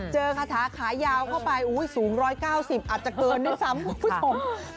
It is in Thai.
คาถาขายาวเข้าไปสูง๑๙๐อาจจะเกินด้วยซ้ำคุณผู้ชม